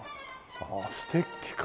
ああステッキか。